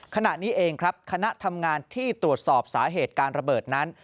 ขณะนี้เองครับคณะทำงานที่ตรวจสอบสาเหตุการระเบิดนั้น